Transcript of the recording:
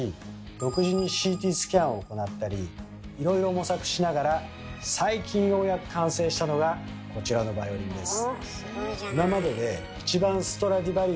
独自にＣＴスキャンを行ったりいろいろ模索しながら最近ようやく完成したのがこちらのバイオリンです。